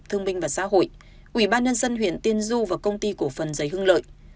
thương binh và xã hội ủy ban nhân dân huyện tiên du và công ty cổ phần giấy hương lợi